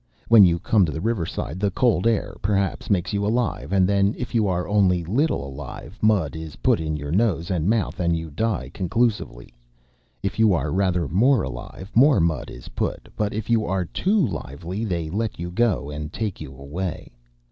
When you come to the riverside the cold air, perhaps, makes you alive, and then, if you are only little alive, mud is put on your nose and mouth and you die conclusively. If you are rather more alive, more mud is put; but if you are too lively they let you go and take you away.